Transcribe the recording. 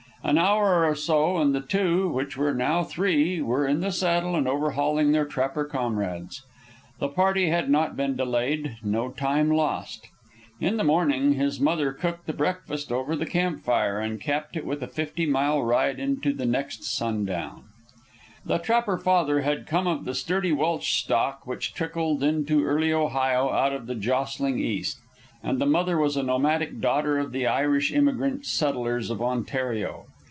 An hour or so and the two, which were now three, were in the saddle and overhauling their trapper comrades. The party had not been delayed; no time lost. In the morning his mother cooked the breakfast over the camp fire, and capped it with a fifty mile ride into the next sun down. The trapper father had come of the sturdy Welsh stock which trickled into early Ohio out of the jostling East, and the mother was a nomadic daughter of the Irish emigrant settlers of Ontario.